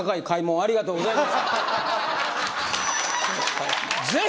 ありがとうございます。